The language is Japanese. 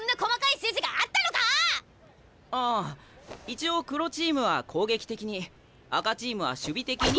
ああ一応黒チームは攻撃的に赤チームは守備的に。